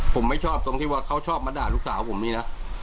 ผมไม่ชอบตรงที่ว่าเขาชอบมาด่าลูกสาวผมนี่นะ